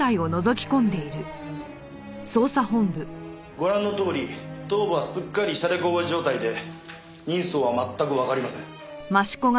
ご覧のとおり頭部はすっかり髑髏状態で人相は全くわかりません。